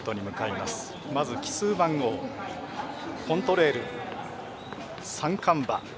まず奇数番号コントレイル三冠馬。